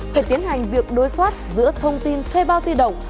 phải tiến hành việc đối soát giữa thông tin thuê bao di động